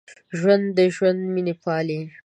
ژوندي د ژوند مینه پالي